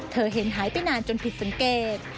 เห็นหายไปนานจนผิดสังเกต